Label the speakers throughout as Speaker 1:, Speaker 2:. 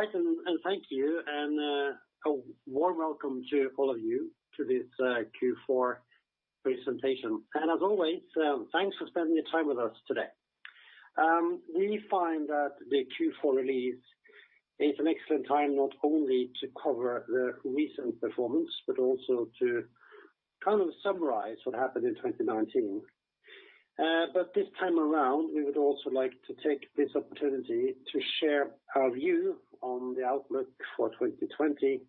Speaker 1: All right. Thank you and a warm welcome to all of you to this Q4 presentation. As always, thanks for spending your time with us today. We find that the Q4 release is an excellent time not only to cover the recent performance, but also to summarize what happened in 2019. This time around, we would also like to take this opportunity to share our view on the outlook for 2020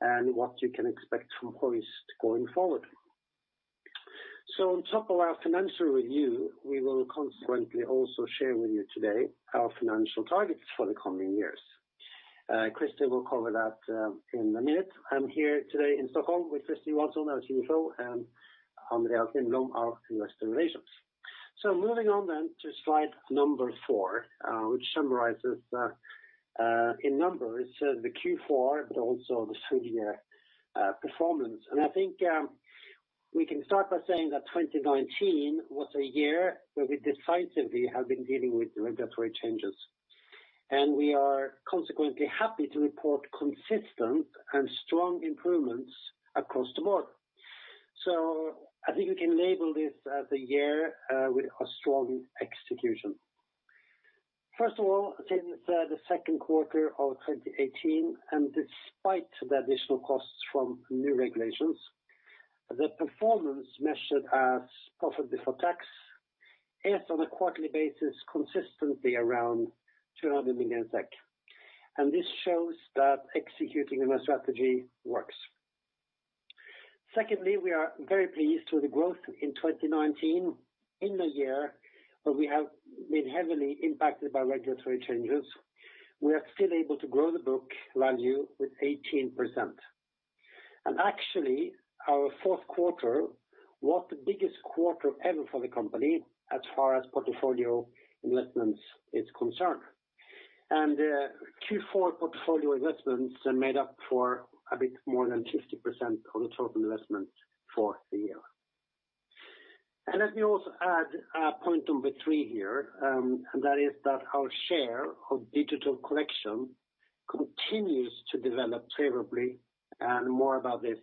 Speaker 1: and what you can expect from Hoist going forward. On top of our financial review, we will consequently also share with you today our financial targets for the coming years. Kristy will cover that in a minute. I'm here today in Stockholm with Kristy Watson, as usual, and Andreas Aspgren, our Investor Relations. Moving on to slide number four, which summarizes in numbers the Q4, but also the full-year performance. I think we can start by saying that 2019 was a year where we decisively have been dealing with regulatory changes. We are consequently happy to report consistent and strong improvements across the board. I think we can label this as a year with a strong execution. First of all, since the second quarter of 2018, and despite the additional costs from new regulations, the performance measured as profit before tax is on a quarterly basis, consistently around 200 million SEK. This shows that executing on our strategy works. Secondly, we are very pleased with the growth in 2019. In a year where we have been heavily impacted by regulatory changes, we are still able to grow the book value with 18%. Actually, our fourth quarter was the biggest quarter ever for the company as far as portfolio investments is concerned. Q4 portfolio investments made up for a bit more than 50% of the total investment for the year. Let me also add point number three here, and that is that our share of digital collection continues to develop favorably, and more about this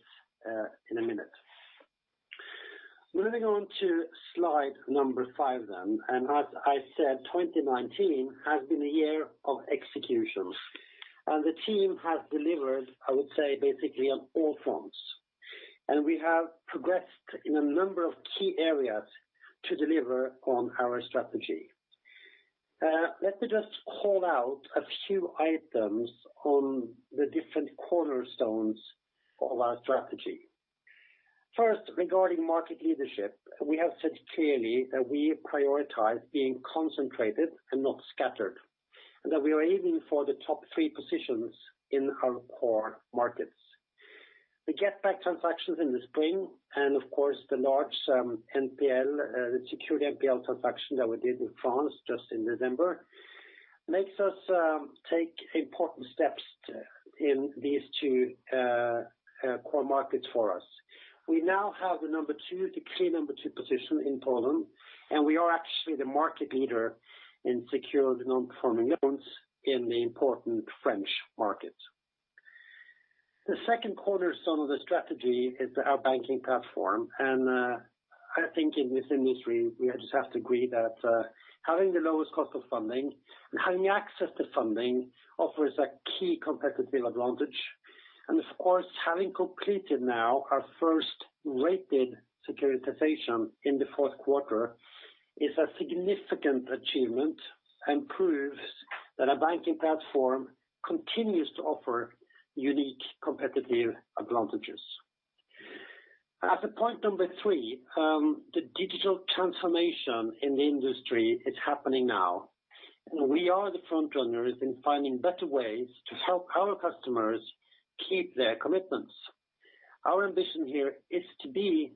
Speaker 1: in a minute. Moving on to slide number five, as I said, 2019 has been a year of execution. The team has delivered, I would say, basically on all fronts. We have progressed in a number of key areas to deliver on our strategy. Let me just call out a few items on the different cornerstones of our strategy. First, regarding market leadership, we have said clearly that we prioritize being concentrated and not scattered, and that we are aiming for the top three positions in our core markets. The GetBack transactions in the spring, and of course, the large secured NPL transaction that we did in France just in November, makes us take important steps in these two core markets for us. We now have the clear number two position in Poland, and we are actually the market leader in secured non-performing loans in the important French market. I think in this industry, we just have to agree that having the lowest cost of funding and having access to funding offers a key competitive advantage. Of course, having completed now our first rated securitization in the fourth quarter is a significant achievement and proves that our banking platform continues to offer unique competitive advantages. As a point number three, the digital transformation in the industry is happening now. We are the frontrunners in finding better ways to help our customers keep their commitments. Our ambition here is to be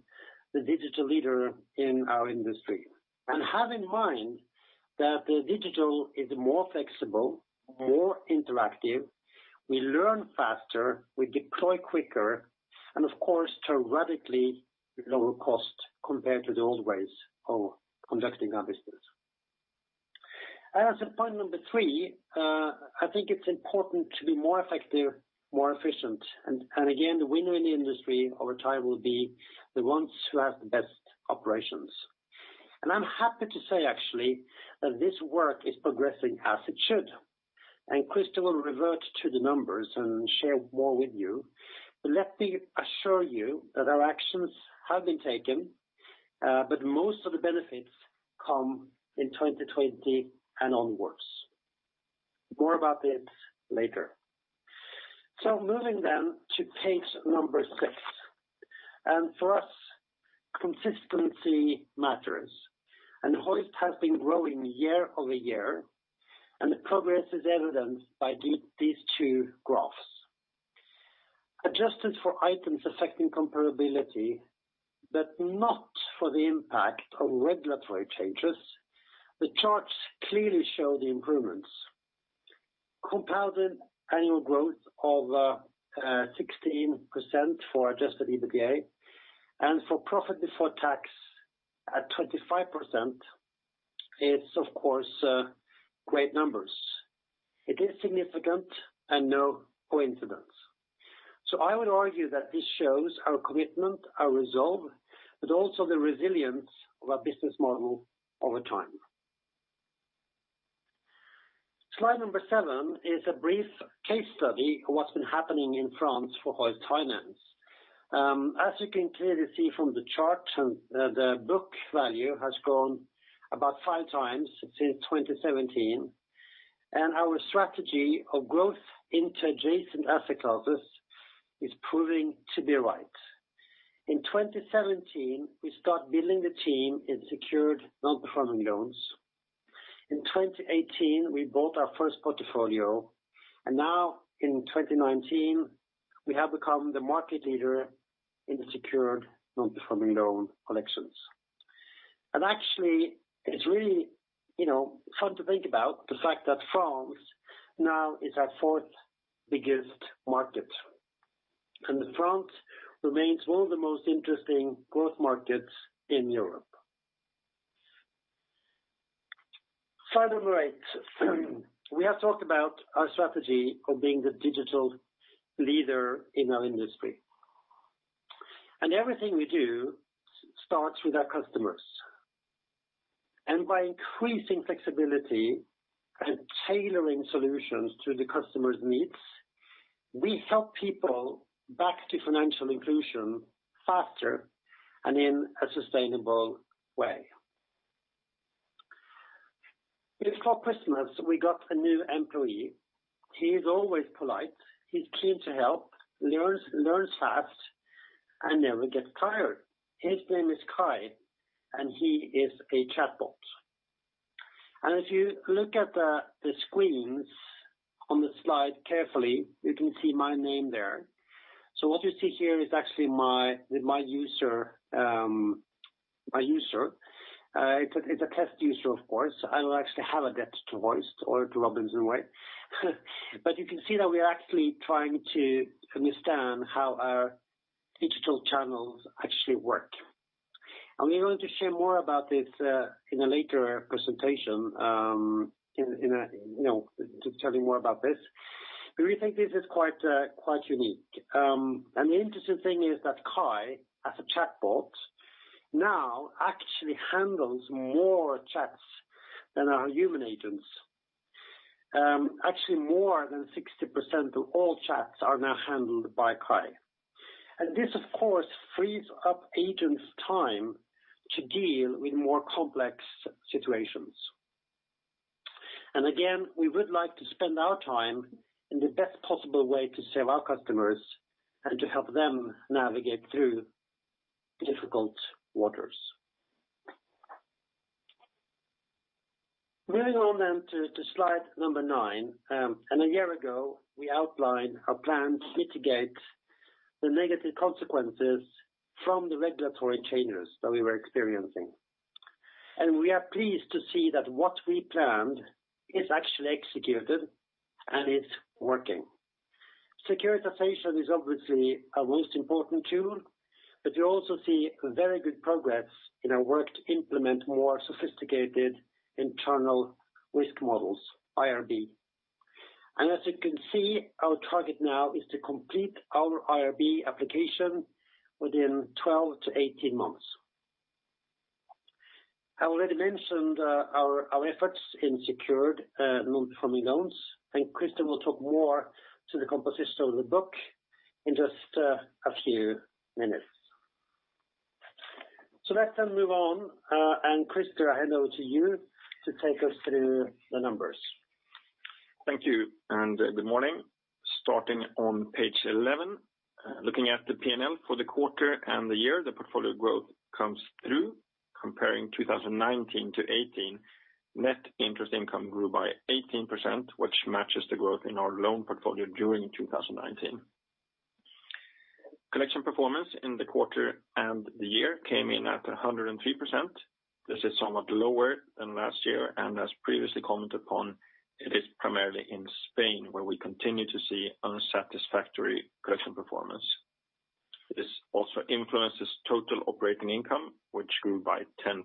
Speaker 1: the digital leader in our industry. Have in mind that the digital is more flexible, more interactive, we learn faster, we deploy quicker, and of course, to radically lower cost compared to the old ways of conducting our business. As a point number three, I think it's important to be more effective, more efficient, and again, the winner in the industry over time will be the ones who have the best operations. I'm happy to say, actually, that this work is progressing as it should. Kristy will revert to the numbers and share more with you. Let me assure you that our actions have been taken, but most of the benefits come in 2020 and onwards. More about this later. Moving to page six. For us, consistency matters. Hoist has been growing year-over-year, and the progress is evidenced by these two graphs. Adjusted for items affecting comparability, but not for the impact of regulatory changes, the charts clearly show the improvements. Compounded annual growth of 16% for adjusted EBITDA, and for profit before tax at 25%. It's, of course, great numbers. It is significant and no coincidence. I would argue that this shows our commitment, our resolve, but also the resilience of our business model over time. Slide seven is a brief case study of what's been happening in France for Hoist Finance. As you can clearly see from the chart, the book value has grown about five times since 2017, and our strategy of growth into adjacent asset classes is proving to be right. In 2017, we start building the team in secured non-performing loans. In 2018, we bought our first portfolio. Now in 2019, we have become the market leader in the secured non-performing loan collections. Actually, it's really fun to think about the fact that France now is our fourth biggest market. France remains one of the most interesting growth markets in Europe. Slide number eight. We have talked about our strategy of being the digital leader in our industry. Everything we do starts with our customers. By increasing flexibility and tailoring solutions to the customer's needs, we help people back to financial inclusion faster and in a sustainable way. Before Christmas, we got a new employee. He's always polite, he's keen to help, learns fast, and never gets tired. His name is Kai, and he is a chatbot. If you look at the screens on the slide carefully, you can see my name there. What you see here is actually my user. It's a test user, of course. I don't actually have a debt to Hoist or to Robinson Way. You can see that we are actually trying to understand how our digital channels actually work. We're going to share more about this in a later presentation to tell you more about this. We think this is quite unique. The interesting thing is that Kai, as a chatbot, now actually handles more chats than our human agents. Actually, more than 60% of all chats are now handled by Kai. This, of course, frees up agents' time to deal with more complex situations. Again, we would like to spend our time in the best possible way to serve our customers and to help them navigate through difficult waters. Moving on then to slide number nine. A year ago, we outlined our plan to mitigate the negative consequences from the regulatory changes that we were experiencing. We are pleased to see that what we planned is actually executed and is working. Securitization is obviously our most important tool, but we also see very good progress in our work to implement more sophisticated internal risk models, IRB. As you can see, our target now is to complete our IRB application within 12 to 18 months. I already mentioned our efforts in secured non-performing loans, and Christer will talk more to the composition of the book in just a few minutes. Let's then move on. Christer, I hand over to you to take us through the numbers.
Speaker 2: Thank you, and good morning. Starting on page 11. Looking at the P&L for the quarter and the year, the portfolio growth comes through. Comparing 2019 to 2018, net interest income grew by 18%, which matches the growth in our loan portfolio during 2019. Collection performance in the quarter and the year came in at 103%. This is somewhat lower than last year, and as previously commented upon, it is primarily in Spain where we continue to see unsatisfactory collection performance. This also influences total operating income, which grew by 10%.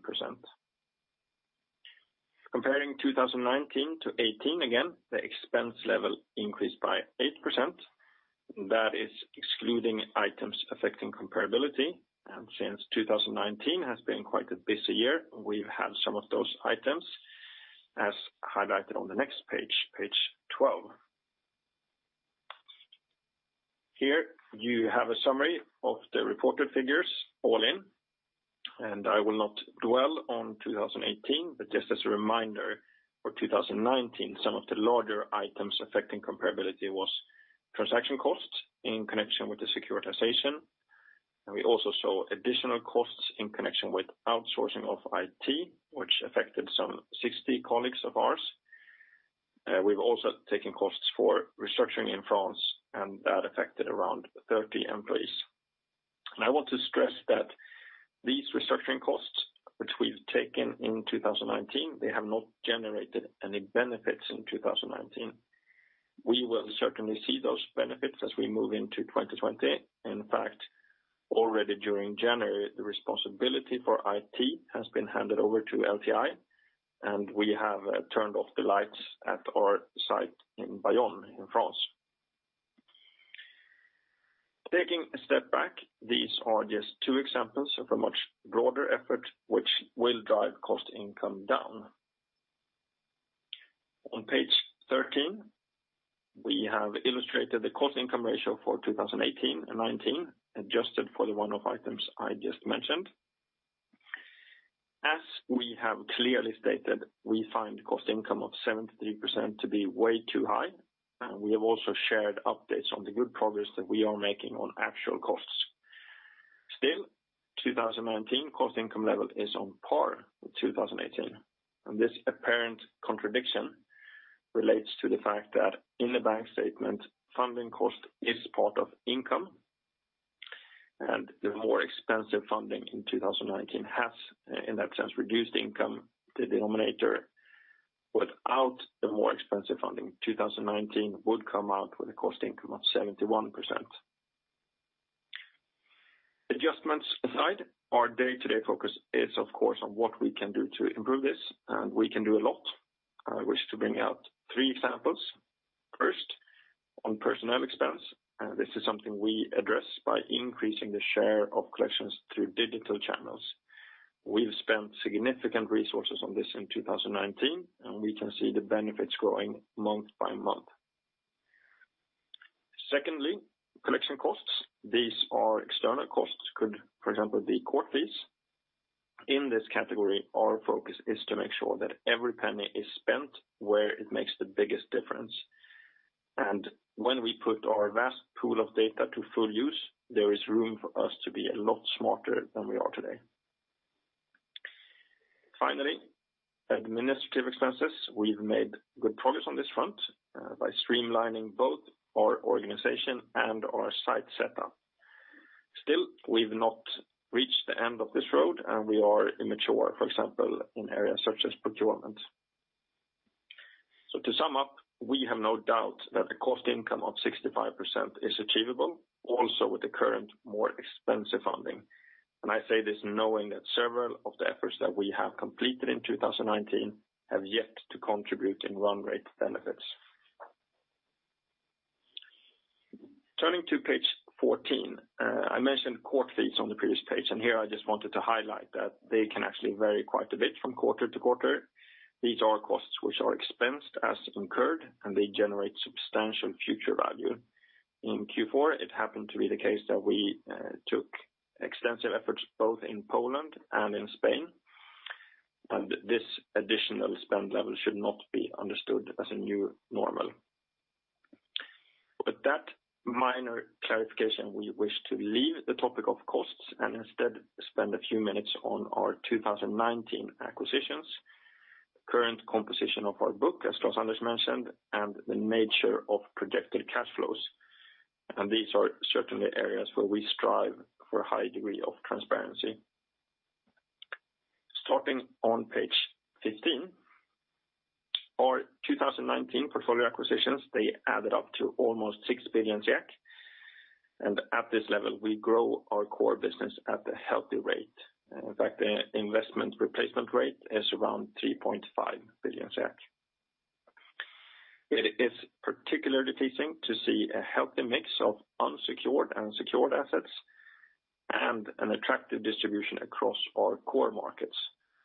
Speaker 2: Comparing 2019 to 2018 again, the expense level increased by 8%. That is excluding items affecting comparability. Since 2019 has been quite a busy year, we've had some of those items, as highlighted on the next page 12. Here you have a summary of the reported figures all in. I will not dwell on 2018, just as a reminder for 2019, some of the larger Items Affecting Comparability was transaction costs in connection with the securitization. We also saw additional costs in connection with outsourcing of IT, which affected some 60 colleagues of ours. We've also taken costs for restructuring in France, that affected around 30 employees. I want to stress that these restructuring costs, which we've taken in 2019, they have not generated any benefits in 2019. We will certainly see those benefits as we move into 2020. In fact, already during January, the responsibility for IT has been handed over to LTI, we have turned off the lights at our site in Bayonne, in France. Taking a step back, these are just two examples of a much broader effort which will drive cost income down. On page 13, we have illustrated the cost income ratio for 2018 and 2019, adjusted for the one-off items I just mentioned. As we have clearly stated, we find cost income of 73% to be way too high, and we have also shared updates on the good progress that we are making on actual costs. Still, 2019 cost income level is on par with 2018, and this apparent contradiction relates to the fact that in the bank statement, funding cost is part of income, and the more expensive funding in 2019 has, in that sense, reduced income, the denominator. Without the more expensive funding, 2019 would come out with a cost income of 71%. Adjustments aside, our day-to-day focus is, of course, on what we can do to improve this, and we can do a lot. I wish to bring out three examples. First, on personnel expense. This is something we address by increasing the share of collections through digital channels. We've spent significant resources on this in 2019, and we can see the benefits growing month by month. Secondly, collection costs. These are external costs, could, for example, be court fees. In this category, our focus is to make sure that every penny is spent where it makes the biggest difference. When we put our vast pool of data to full use, there is room for us to be a lot smarter than we are today. Finally, administrative expenses. We've made good progress on this front by streamlining both our organization and our site setup. We've not reached the end of this road, and we are immature, for example, in areas such as procurement. To sum up, we have no doubt that the cost income of 65% is achievable also with the current, more expensive funding. I say this knowing that several of the efforts that we have completed in 2019 have yet to contribute in run rate benefits. Turning to page 14. I mentioned court fees on the previous page, here I just wanted to highlight that they can actually vary quite a bit from quarter to quarter. These are costs which are expensed as incurred, they generate substantial future value. In Q4, it happened to be the case that we took extensive efforts both in Poland and in Spain, this additional spend level should not be understood as a new normal. With that minor clarification, we wish to leave the topic of costs and instead spend a few minutes on our 2019 acquisitions, current composition of our book, as Klaus-Anders Nysteen mentioned, and the nature of projected cash flows. These are certainly areas where we strive for a high degree of transparency. Starting on page 15, our 2019 portfolio acquisitions, they added up to almost 6 billion, and at this level, we grow our core business at a healthy rate. In fact, the investment replacement rate is around 3.5 billion. It is particularly pleasing to see a healthy mix of unsecured and secured assets and an attractive distribution across our core markets.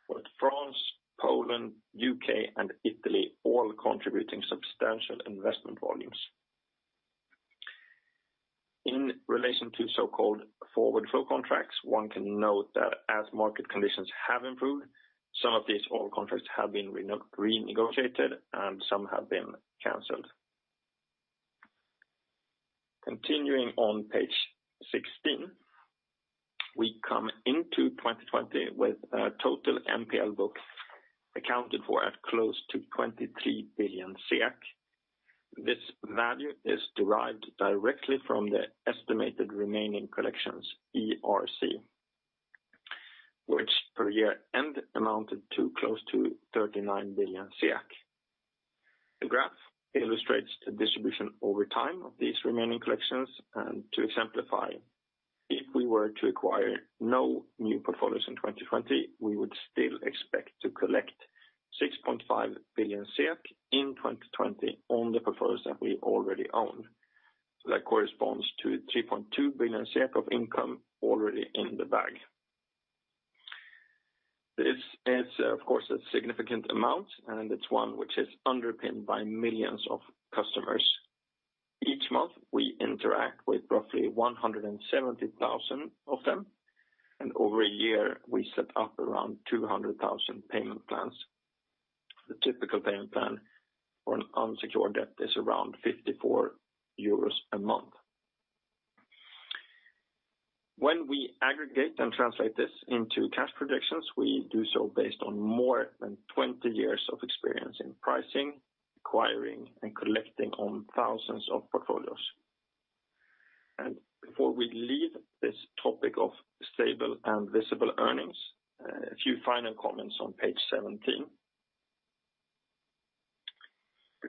Speaker 2: Both France, Poland, U.K., and Italy all contributing substantial investment volumes. In relation to so-called forward flow contracts, one can note that as market conditions have improved, some of these old contracts have been renegotiated and some have been canceled. Continuing on page 16, we come into 2020 with a total NPL book accounted for at close to 23 billion SEK. This value is derived directly from the estimated remaining collections, ERC, which per year end amounted to close to 39 billion. The graph illustrates the distribution over time of these remaining collections and to exemplify if we were to acquire no new portfolios in 2020, we would still expect to collect 6.5 billion in 2020 on the portfolios that we already own. That corresponds to 3.2 billion of income already in the bag. This is, of course, a significant amount, and it's one which is underpinned by millions of customers. Each month, we interact with roughly 170,000 of them, and over a year, we set up around 200,000 payment plans. The typical payment plan for an unsecured debt is around 54 euros a month. When we aggregate and translate this into cash projections, we do so based on more than 20 years of experience in pricing, acquiring, and collecting on thousands of portfolios. Before we leave this topic of stable and visible earnings, a few final comments on page 17.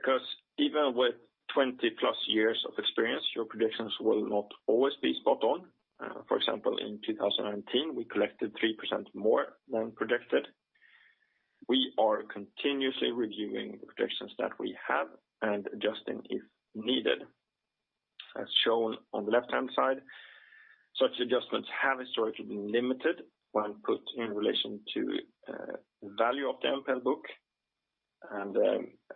Speaker 2: Because even with 20-plus years of experience, your predictions will not always be spot on. For example, in 2019, we collected 3% more than predicted. We are continuously reviewing the projections that we have and adjusting if needed. As shown on the left-hand side, such adjustments have historically been limited when put in relation to the value of the NPL book.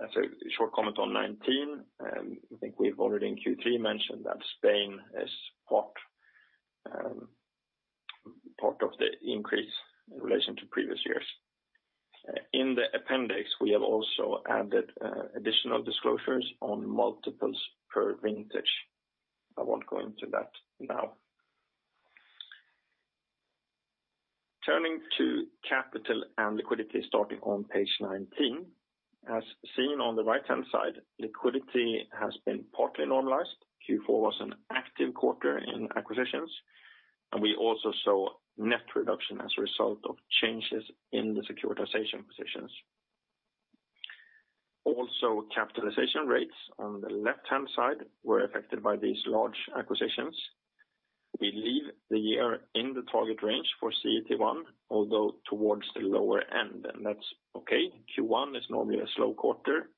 Speaker 2: As a short comment on 2019, I think we've already in Q3 mentioned that Spain is part of the increase in relation to previous years. In the appendix, we have also added additional disclosures on multiples per vintage. I won't go into that now. Turning to capital and liquidity starting on page 19. As seen on the right-hand side, liquidity has been partly normalized. Q4 was an active quarter in acquisitions, and we also saw net reduction as a result of changes in the securitization positions. Capitalization rates on the left-hand side were affected by these large acquisitions. We leave the year in the target range for CET1, although towards the lower end, and that's okay. Q1 is normally a slow quarter.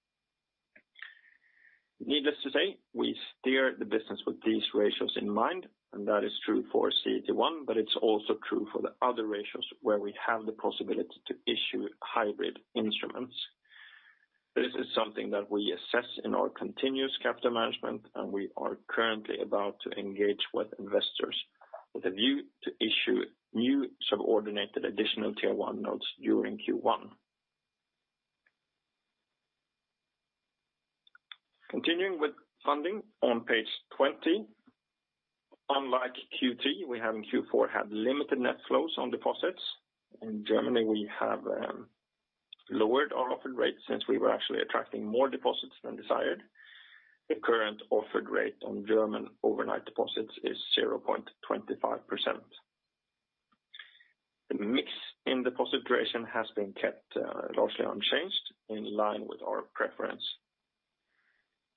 Speaker 2: Needless to say, we steer the business with these ratios in mind, and that is true for CET1, but it's also true for the other ratios where we have the possibility to issue hybrid instruments. This is something that we assess in our continuous capital management, and we are currently about to engage with investors with a view to issue new subordinated additional Tier 1 notes during Q1. Continuing with funding on page 20. Unlike Q3, we have in Q4 had limited net flows on deposits. In Germany, we have lowered our offered rates since we were actually attracting more deposits than desired. The current offered rate on German overnight deposits is 0.25%. The mix in deposit duration has been kept largely unchanged in line with our preference.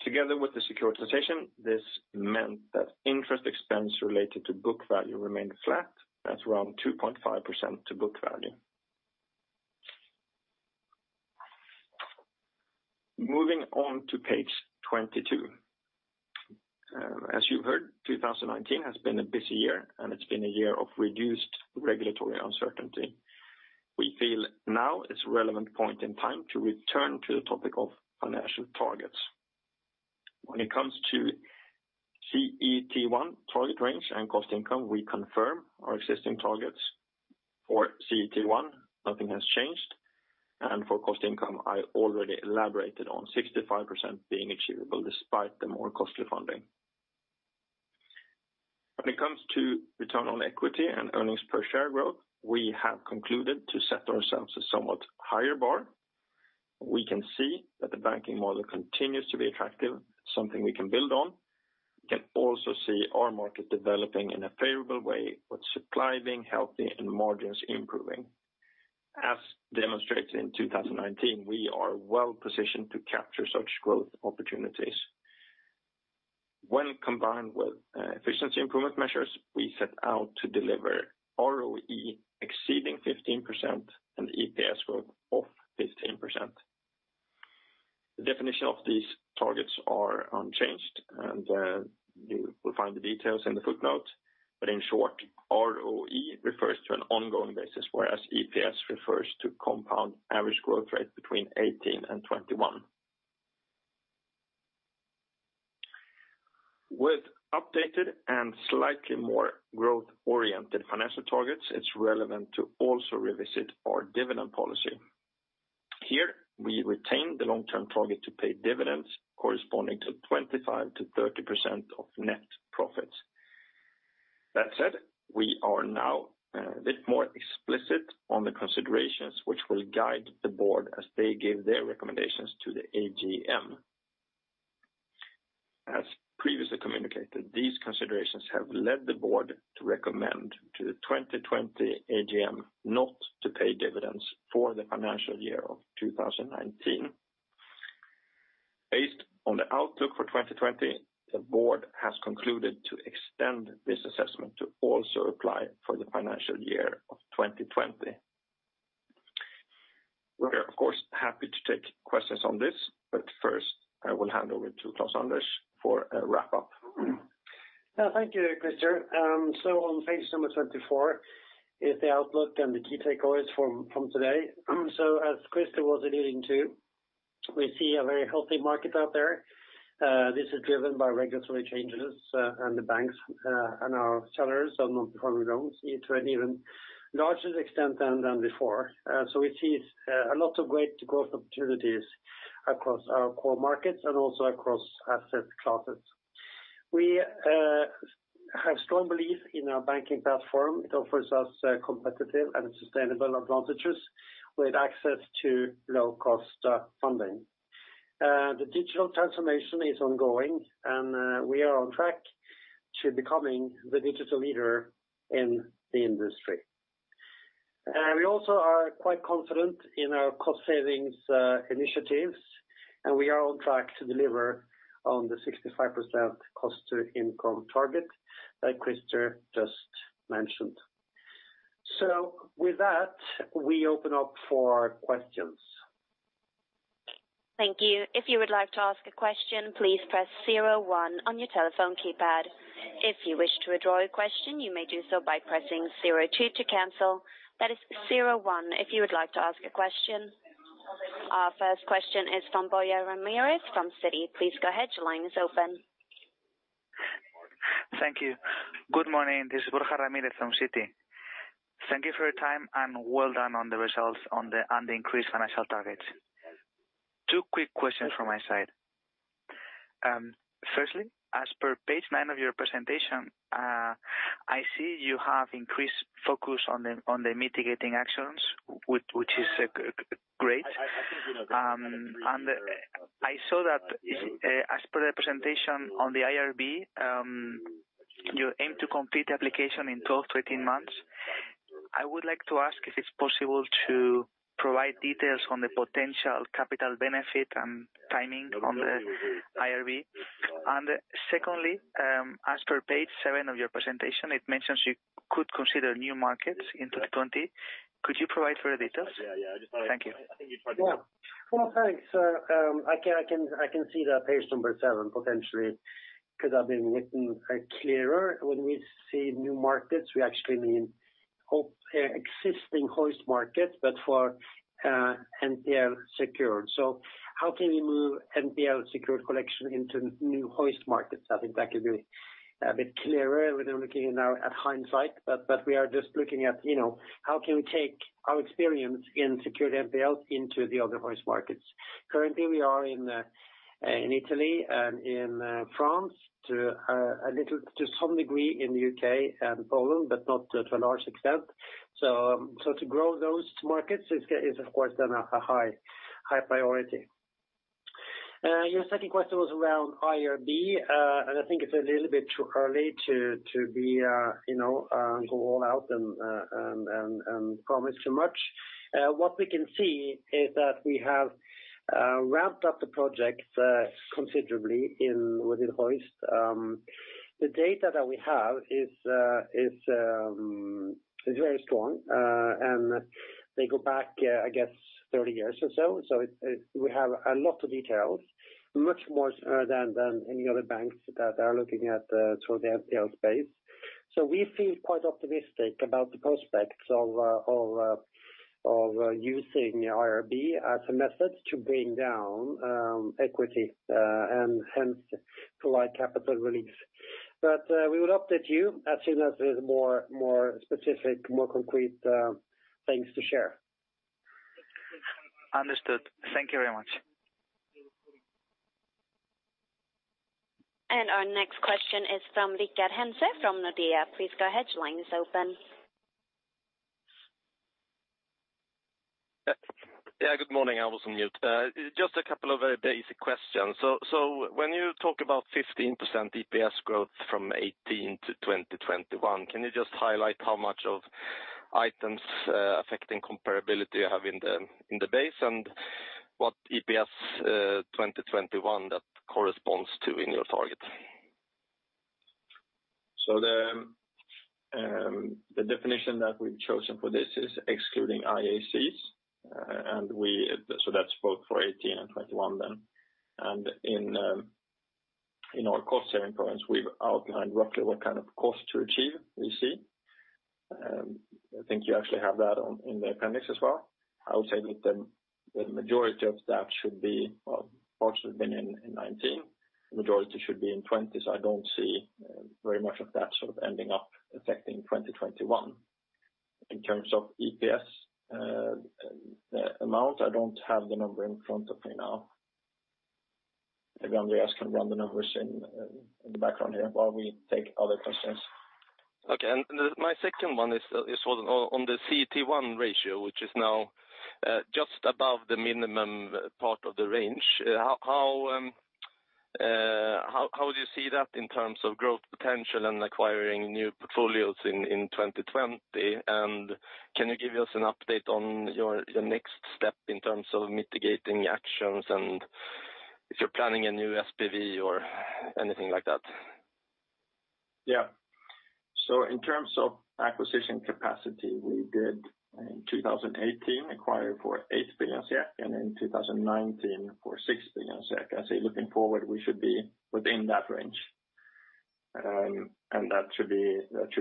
Speaker 2: Together with the securitization, this meant that interest expense related to book value remained flat at around 2.5% to book value. Moving on to page 22. As you heard, 2019 has been a busy year, and it's been a year of reduced regulatory uncertainty. We feel now is a relevant point in time to return to the topic of financial targets. When it comes to CET1 target range and cost income, we confirm our existing targets for CET1, nothing has changed. For cost income, I already elaborated on 65% being achievable despite the more costly funding. When it comes to return on equity and earnings per share growth, we have concluded to set ourselves a somewhat higher bar. We can see that the banking model continues to be attractive, something we can build on. We can also see our market developing in a favorable way with supply being healthy and margins improving. As demonstrated in 2019, we are well-positioned to capture such growth opportunities. When combined with efficiency improvement measures, we set out to deliver ROE exceeding 15% and EPS growth of 15%. The definition of these targets are unchanged, and you will find the details in the footnote. In short, ROE refers to an ongoing basis, whereas EPS refers to compound average growth rate between 2018 and 2021. With updated and slightly more growth-oriented financial targets, it's relevant to also revisit our dividend policy. Here, we retain the long-term target to pay dividends corresponding to 25% to 30% of net profits. That said, we are now a bit more explicit on the considerations which will guide the board as they give their recommendations to the AGM. As previously communicated, these considerations have led the board to recommend to the 2020 AGM not to pay dividends for the financial year of 2019. Based on the outlook for 2020, the board has concluded to extend this assessment to also apply for the financial year of 2020. We're of course happy to take questions on this, but first I will hand over to Klaus-Anders for a wrap-up.
Speaker 1: Thank you, Christer. On page number 24 is the outlook and the key takeaways from today. As Christer was alluding to, we see a very healthy market out there. This is driven by regulatory changes in the banks and our sellers of non-performing loans to an even larger extent than before. We see a lot of great growth opportunities across our core markets and also across asset classes. We have strong belief in our banking platform. It offers us competitive and sustainable advantages with access to low-cost funding. The digital transformation is ongoing, and we are on track to becoming the digital leader in the industry. We also are quite confident in our cost savings initiatives, and we are on track to deliver on the 65% cost-to-income target that Christer just mentioned. With that, we open up for questions.
Speaker 3: Thank you. If you would like to ask a question, please press zero one on your telephone keypad. If you wish to withdraw your question, you may do so by pressing zero one to cancel. That is zero one if you would like to ask a question. Our first question is from Borja Ramirez from Citi. Please go ahead. Your line is open.
Speaker 4: Thank you. Good morning. This is Borja Ramirez from Citi. Thank you for your time, and well done on the results and the increased financial targets. Two quick questions from my side. Firstly, as per page nine of your presentation, I see you have increased focus on the mitigating actions, which is great. I saw that as per the presentation on the IRB, you aim to complete application in 12-18 months. I would like to ask if it's possible to provide details on the potential capital benefit and timing on the IRB. Secondly, as per page seven of your presentation, it mentions you could consider new markets in 2020. Could you provide further details? Thank you.
Speaker 1: Well, thanks. I can see that page number seven potentially could have been written clearer. When we say new markets, we actually mean existing Hoist markets, but for NPL secured. How can we move NPL secured collection into new Hoist markets? I think that could be a bit clearer when we're looking in at hindsight, but we are just looking at how can we take our experience in secured NPL into the other Hoist markets. Currently, we are in Italy and in France, to some degree in the U.K. and Poland, but not to a large extent. To grow those markets is, of course, then a high priority. Your second question was around IRB. I think it's a little bit too early to go all out and promise too much. What we can see is that we have ramped up the project considerably within Hoist. The data that we have is very strong, and they go back, I guess, 30 years or so. We have a lot of details, much more than any other banks that are looking towards the NPL space. We feel quite optimistic about the prospects of using IRB as a method to bring down equity and hence provide capital release. We will update you as soon as there's more specific, more concrete things to share
Speaker 4: Understood. Thank you very much.
Speaker 3: Our next question is from Rickard Henze from Nordea. Please go ahead. Your line is open.
Speaker 5: Yeah, good morning. I was on mute. Just a couple of very basic questions. When you talk about 15% EPS growth from 2018 to 2021, can you just highlight how much of Items Affecting Comparability you have in the base and what EPS 2021 that corresponds to in your target?
Speaker 1: The definition that we've chosen for this is excluding IACs. That's both for 2018 and 2021. In our cost savings points, we've outlined roughly what kind of cost to achieve we see. I think you actually have that in the appendix as well. I would say that the majority of that should be, well, partially been in 2019. The majority should be in 2020, I don't see very much of that ending up affecting 2021. In terms of EPS amount, I don't have the number in front of me now. Maybe Andreas can run the numbers in the background here while we take other questions.
Speaker 5: Okay. My second one is on the CET1 ratio, which is now just above the minimum part of the range. How do you see that in terms of growth potential and acquiring new portfolios in 2020? Can you give us an update on your next step in terms of mitigating actions, and if you're planning a new SPV or anything like that?
Speaker 1: Yeah. In terms of acquisition capacity, we did in 2018 acquire for 8 billion SEK, and in 2019 for 6 billion SEK. I say looking forward, we should be within that range. That should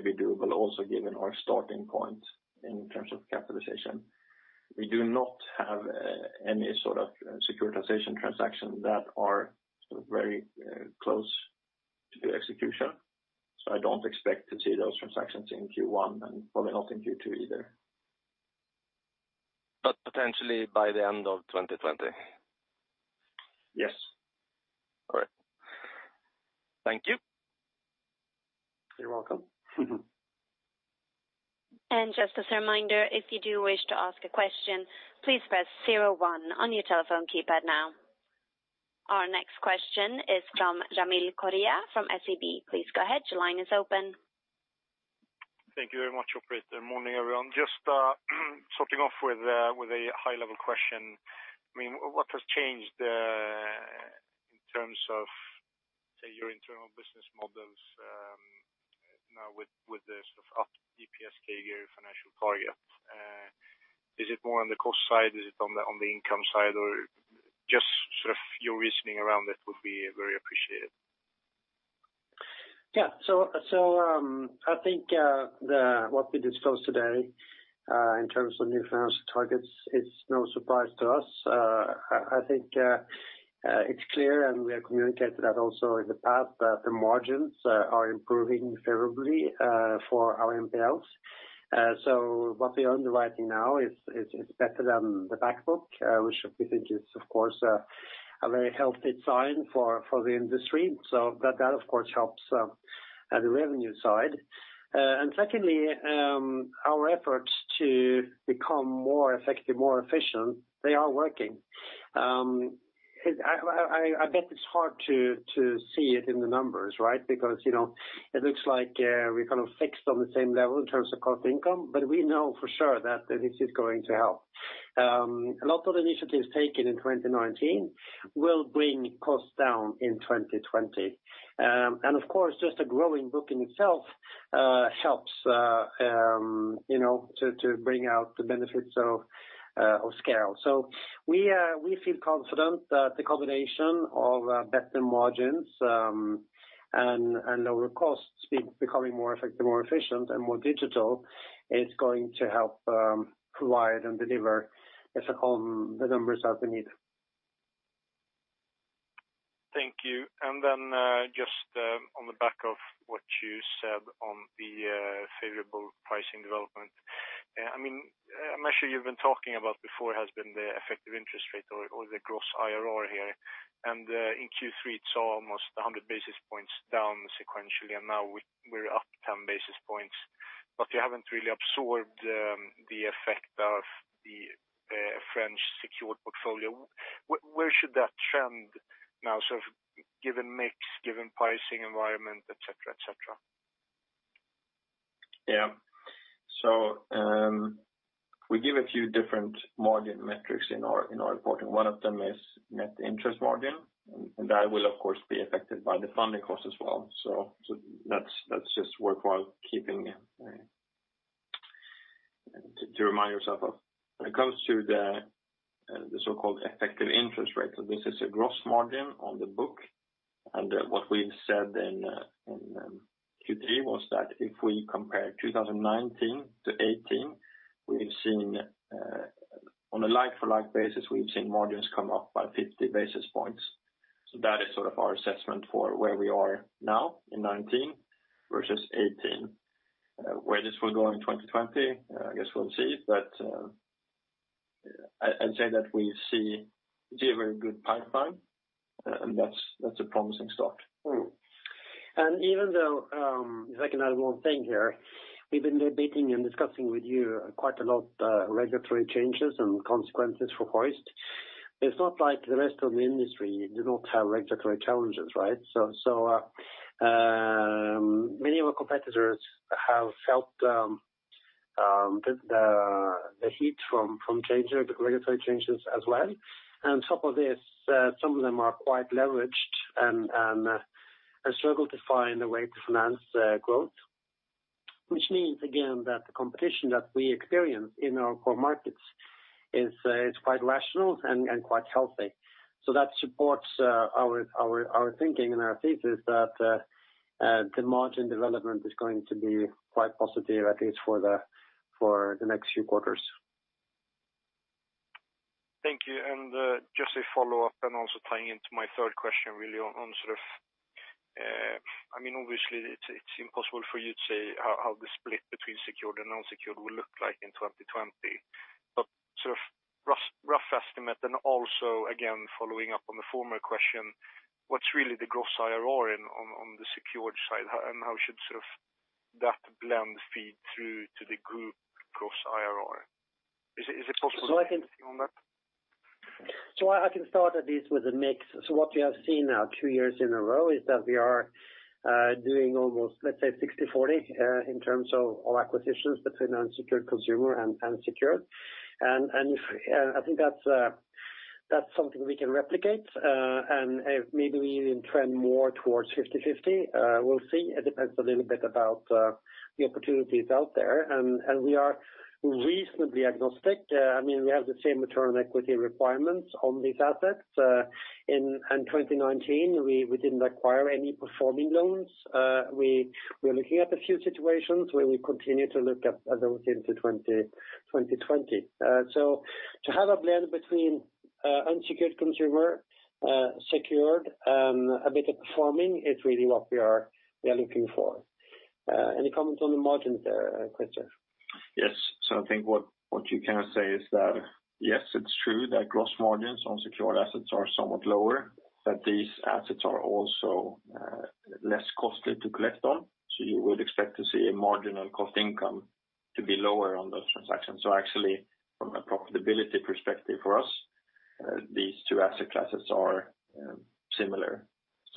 Speaker 1: be doable also given our starting point in terms of capitalization. We do not have any sort of securitization transactions that are very close to execution. I don't expect to see those transactions in Q1 and probably not in Q2 either.
Speaker 5: Potentially by the end of 2020.
Speaker 1: Yes.
Speaker 2: Thank you.
Speaker 1: You're welcome.
Speaker 3: Just as a reminder, if you do wish to ask a question, please press zero one on your telephone keypad now. Our next question is from Jamil Khoury from SEB. Please go ahead. Your line is open.
Speaker 6: Thank you very much, operator. Morning, everyone. Just starting off with a high level question. What has changed in terms of your internal business models now with this updated three-year financial target? Is it more on the cost side? Is it on the income side? Just your reasoning around it would be very appreciated.
Speaker 1: I think what we disclosed today in terms of new financial targets, it's no surprise to us. I think it's clear, and we have communicated that also in the past, that the margins are improving favorably for our NPLs. What we are underwriting now is better than the back book, which we think is of course a very healthy sign for the industry. That of course helps at the revenue side. Secondly, our efforts to become more effective, more efficient, they are working. I bet it's hard to see it in the numbers, right? It looks like we're kind of fixed on the same level in terms of cost income. We know for sure that this is going to help. A lot of initiatives taken in 2019 will bring costs down in 2020. Of course, just a growing book in itself helps to bring out the benefits of scale. We feel confident that the combination of better margins and lower costs becoming more effective, more efficient and more digital is going to help provide and deliver the numbers that we need.
Speaker 6: Thank you. Then, just on the back of what you said on the favorable pricing development. I'm not sure you've been talking about before has been the effective interest rate or the gross IRR here. In Q3, it's almost 100 basis points down sequentially, and now we're up 10 basis points. You haven't really absorbed the effect of the French secured portfolio. Where should that trend now, given mix, given pricing environment, et cetera?
Speaker 2: Yeah. We give a few different margin metrics in our reporting. One of them is net interest margin, and that will of course, be affected by the funding cost as well. That's just worthwhile to remind yourself of. When it comes to the so-called effective interest rate, this is a gross margin on the book. What we've said in Q3 was that if we compare 2019 to 2018, on a like-for-like basis, we've seen margins come up by 50 basis points. That is our assessment for where we are now in 2019 versus 2018. Where this will go in 2020, I guess we'll see. I'd say that we see a very good pipeline, and that's a promising start.
Speaker 1: Even though, if I can add one thing here, we've been debating and discussing with you quite a lot, regulatory changes and consequences for Hoist. It's not like the rest of the industry do not have regulatory challenges, right? Many of our competitors have felt the heat from regulatory changes as well. On top of this, some of them are quite leveraged and struggle to find a way to finance growth. Which means, again, that the competition that we experience in our core markets is quite rational and quite healthy. That supports our thinking and our thesis that the margin development is going to be quite positive, at least for the next few quarters.
Speaker 6: Thank you. Just a follow-up, and also tying into my third question really on, obviously, it's impossible for you to say how the split between secured and unsecured will look like in 2020. Sort of rough estimate, and also, again, following up on the former question, what's really the gross IRR on the secured side, and how should that blend feed through to the group gross IRR? Is it possible to comment on that?
Speaker 1: I can start at least with the mix. What we have seen now two years in a row is that we are doing almost, let's say, 60/40 in terms of acquisitions between unsecured consumer and secured. I think that's something we can replicate. Maybe we even trend more towards 50/50. We'll see. It depends a little bit about the opportunities out there, and we are reasonably agnostic. We have the same return on equity requirements on these assets. In 2019, we didn't acquire any performing loans. We're looking at a few situations where we continue to look at those into 2020. To have a blend between unsecured consumer, secured, and a bit of performing is really what we are looking for. Any comments on the margins there, Christer?
Speaker 2: Yes. I think what you can say is that, yes, it's true that gross margins on secured assets are somewhat lower, but these assets are also less costly to collect on. You would expect to see a marginal cost income to be lower on those transactions. Actually, from a profitability perspective for us, these two asset classes are similar.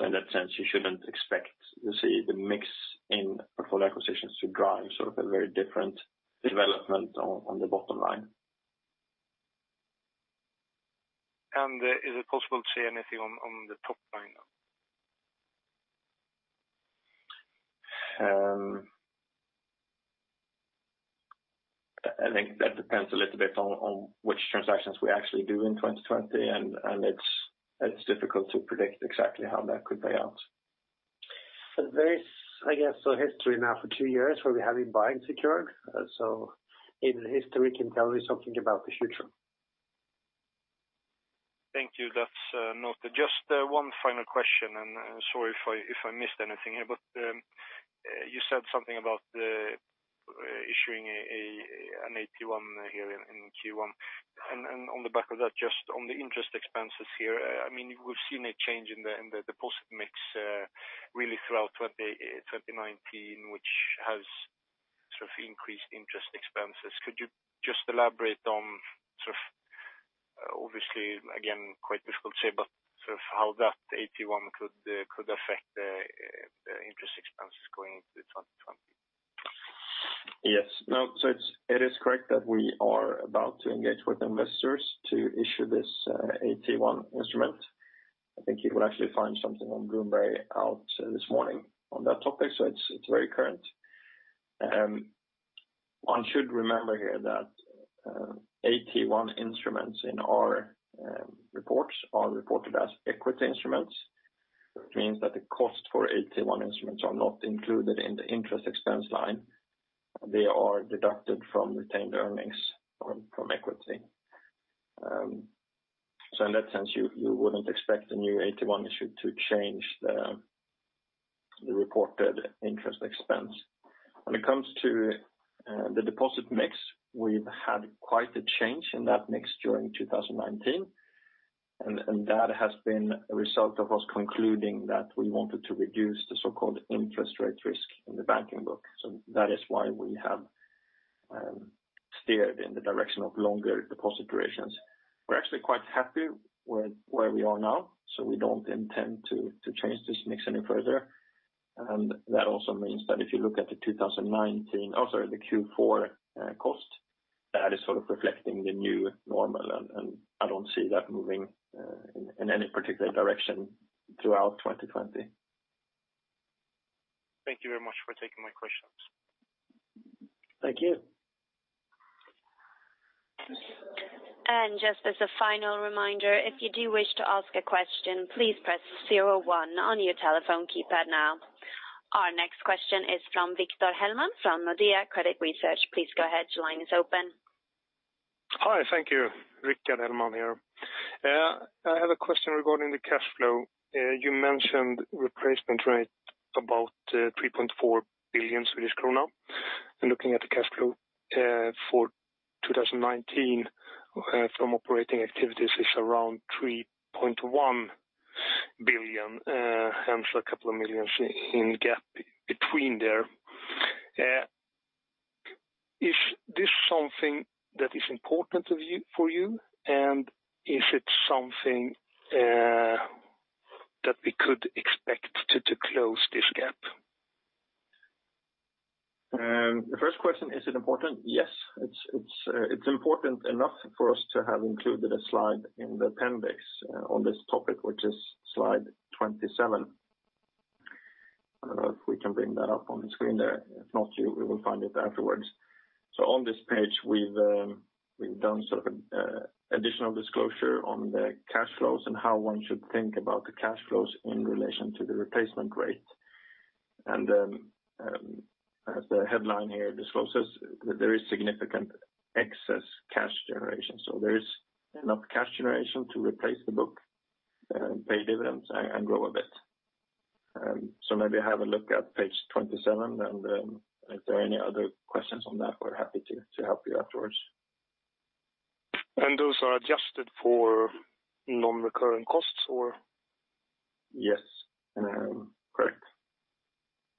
Speaker 2: In that sense, you shouldn't expect to see the mix in portfolio acquisitions to drive a very different development on the bottom line.
Speaker 6: Is it possible to see anything on the top line now?
Speaker 2: I think that depends a little bit on which transactions we actually do in 2020, and it's difficult to predict exactly how that could play out.
Speaker 1: There is, I guess, a history now for two years where we have been buying secured. If history can tell you something about the future.
Speaker 6: Thank you. That's noted. Just one final question, and sorry if I missed anything here, but you said something about issuing an AT1 here in Q1. On the back of that, just on the interest expenses here, we've seen a change in the deposit mix really throughout 2019, which has increased interest expenses. Could you just elaborate on, obviously, again, quite difficult to say, but how AT1 could affect the interest expenses going into 2020?
Speaker 2: Yes. No, it is correct that we are about to engage with investors to issue this AT1 instrument. I think you will actually find something on Bloomberg out this morning on that topic. It's very current. One should remember here that AT1 instruments in our reports are reported as equity instruments. It means that the cost for AT1 instruments are not included in the interest expense line. They are deducted from retained earnings from equity. In that sense, you wouldn't expect the new AT1 issue to change the reported interest expense. When it comes to the deposit mix, we've had quite a change in that mix during 2019, and that has been a result of us concluding that we wanted to reduce the so-called interest rate risk in the banking book. That is why we have steered in the direction of longer deposit durations. We're actually quite happy where we are now, so we don't intend to change this mix any further. That also means that if you look at the Q4 cost, that is reflecting the new normal, and I don't see that moving in any particular direction throughout 2020.
Speaker 6: Thank you very much for taking my questions.
Speaker 1: Thank you.
Speaker 3: Just as a final reminder, if you do wish to ask a question, please press zero one on your telephone keypad now. Our next question is from Victor Hellman from Nordea Credit Research. Please go ahead. Your line is open.
Speaker 7: Hi, thank you. Rickard Hellman here. I have a question regarding the cash flow. You mentioned replacement rate about 3.4 billion Swedish krona. Looking at the cash flow for 2019 from operating activities is around 3.1 billion, hence a couple of millions in gap between there. Is this something that is important for you? Is it something that we could expect to close this gap?
Speaker 2: The first question, is it important? Yes. It's important enough for us to have included a slide in the appendix on this topic, which is slide 27. I don't know if we can bring that up on the screen there. If not, we will find it afterwards. On this page, we've done an additional disclosure on the cash flows and how one should think about the cash flows in relation to the replacement rate. As the headline here discloses, there is significant excess cash generation. There is enough cash generation to replace the book, pay dividends, and grow a bit. Maybe have a look at page 27, and if there are any other questions on that, we're happy to help you afterwards.
Speaker 7: Those are adjusted for non-recurrent costs or?
Speaker 2: Yes. Correct.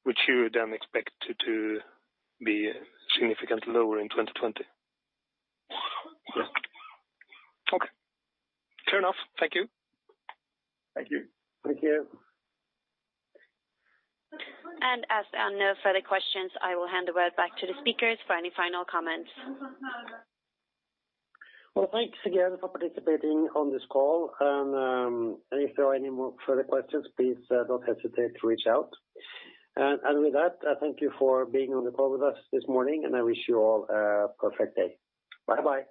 Speaker 7: Which you would then expect to be significantly lower in 2020?
Speaker 2: Yes.
Speaker 7: Okay. Fair enough. Thank you.
Speaker 2: Thank you.
Speaker 1: Thank you.
Speaker 3: As there are no further questions, I will hand the word back to the speakers for any final comments.
Speaker 1: Well, thanks again for participating on this call. If there are any more further questions, please don't hesitate to reach out. With that, I thank you for being on the call with us this morning, and I wish you all a perfect day. Bye-bye.